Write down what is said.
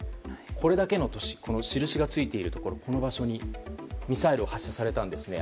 これだけの都市、印がついているこの場所にミサイルが発射されたんですね。